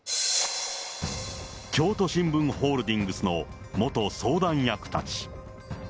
京都新聞ホールディングスの元相談役たち。